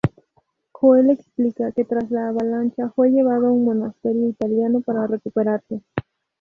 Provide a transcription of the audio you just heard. Joel explica que tras la avalancha fue llevado a un monasterio italiano para recuperarse.